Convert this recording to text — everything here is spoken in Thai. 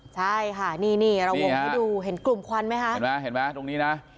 ใช่ค่ะนี่นี่เราวงให้ดูเห็นกลุ่มควันไหมคะเห็นไหมเห็นไหมตรงนี้นะ